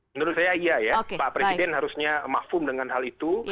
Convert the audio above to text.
menurut saya iya ya pak presiden harusnya mafum dengan hal itu